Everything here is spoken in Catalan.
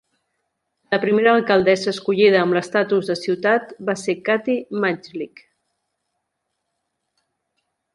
La primera alcaldessa escollida amb l'estatus de ciutat va ser Kathy Majdlik.